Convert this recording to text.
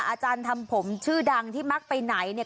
อาจารย์ทำผมชื่อดังที่มักไปไหนเนี่ย